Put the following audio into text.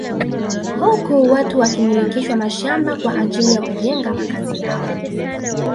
Huku watu wakimilikishwa mashamba kwa ajili ya kujenga makazi yao